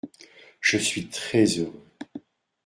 Je suis très heureux.